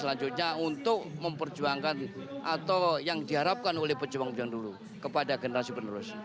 dan selanjutnya untuk memperjuangkan atau yang diharapkan oleh pejuang pejuangan dulu kepada generasi berterusan